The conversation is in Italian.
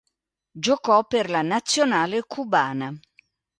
Giocò per la Nazionale cubana.